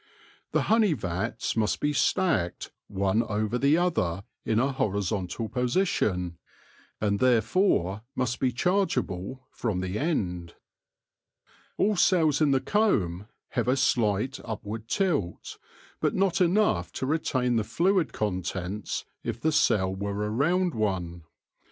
The honey vats must be stacked one over the other in a horizontal position, and therefore must be charge able from the end. All cells in the comb have a slight upward tilt, but not enough to retain the fluid contents if the cell were a round one.